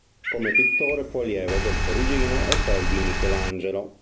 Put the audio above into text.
Come pittore fu allievo del Perugino e poi di Michelangelo.